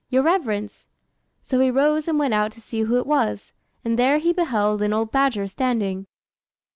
your reverence!" So he rose and went out to see who it was, and there he beheld an old badger standing.